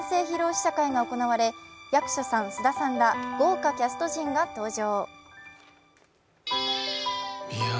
試写会が行われ、役所さん、菅田さんら豪華キャスト陣が登場。